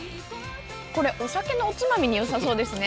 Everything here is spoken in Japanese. これお酒のおつまみによさそうですね。